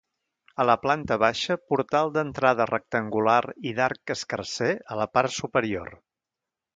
A la planta baixa, portal d'entrada rectangular i d'arc escarser a la part superior.